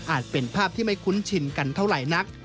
เป็นภาพที่ไม่คุ้นชินกันเท่าไหร่นัก